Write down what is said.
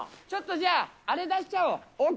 ちょっとじゃあ、あれ出しちＯＫ。